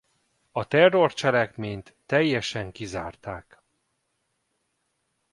A terrorcselekményt teljesen kizárták.